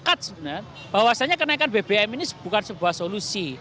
pemerintah provinsi jawa timur sepakat bahwasannya kenaikan bbm ini bukan sebuah solusi